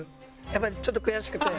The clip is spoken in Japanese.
やっぱりちょっと悔しくて。